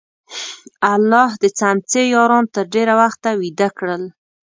الله د څمڅې یاران تر ډېره وخته ویده کړل.